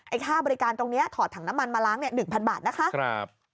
ค่าบริการตรงนี้ถอดถังน้ำมันมาล้างเนี่ย๑๐๐บาทนะคะ